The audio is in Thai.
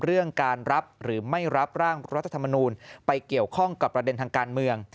เรื่องการรับหรือไม่รับร่างรัฐธรรมนูลไปเกี่ยวข้องกับประเด็นทางการเมือง